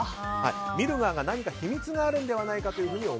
見る側が何か秘密があるのではないかと思う。